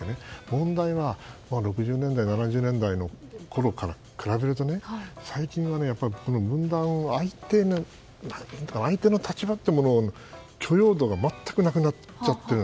問題は、６０年代７０年代のころから比べると最近の分断で相手の立場への許容度が全くなくなっちゃっている。